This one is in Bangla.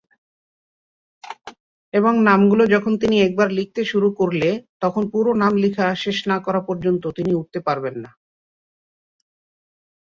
এবং নামগুলো যখন তিনি একবার লিখতে শুরু করলে, তখন পুরো নাম লিখা শেষ না করা পর্যন্ত তিনি উঠতে পারবেন না।